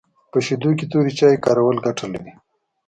په شیدو کي توري چای کارول ګټه لري